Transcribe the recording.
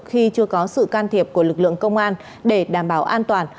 khi chưa có sự can thiệp của lực lượng công an để đảm bảo an toàn